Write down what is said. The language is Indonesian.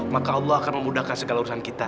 maka allah akan memudahkan segala urusan kita